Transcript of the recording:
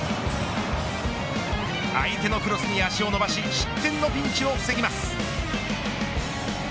相手のクロスに足を伸ばし失点のピンチを防ぎます。